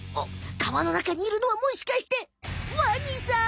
川のなかにいるのはもしかしてワニさん！